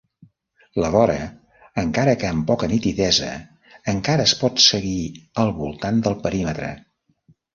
La vora, encara que amb poca nitidesa, encara es pot seguir al voltant del perímetre.